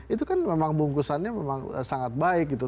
itu kan memang bungkusannya memang sangat baik gitu